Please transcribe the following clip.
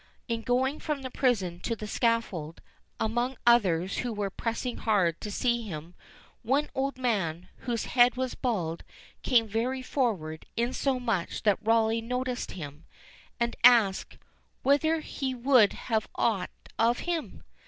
In going from the prison to the scaffold, among others who were pressing hard to see him, one old man, whose head was bald, came very forward, insomuch that Rawleigh noticed him, and asked "whether he would have aught of him?"